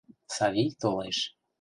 Савий толеш.